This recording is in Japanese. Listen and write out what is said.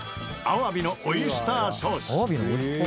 アワビのオイスターソース？